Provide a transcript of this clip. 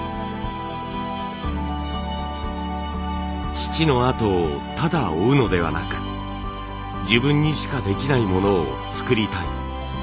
父の後をただ追うのではなく自分にしかできないものを作りたい。